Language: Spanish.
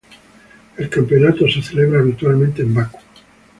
El campeonato se celebra habitualmente en Baku.